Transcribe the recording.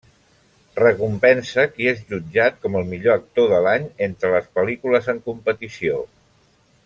Recompensa qui és jutjat com el millor actor de l'any entre les pel·lícules en competició.